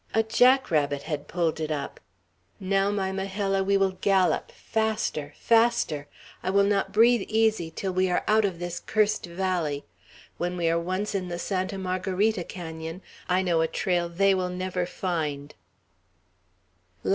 A jack rabbit had pulled it up. Now, my Majella, we will gallop! Faster! faster! I will not breathe easy till we are out of this cursed valley. When we are once in the Santa Margarita Canon, I know a trail they will never find!"